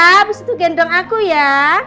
habis itu gendong aku ya